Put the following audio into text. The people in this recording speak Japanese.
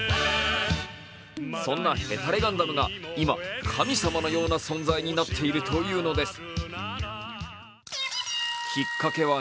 そんなへたれガンダムが今、神様のような存在になっているというのです。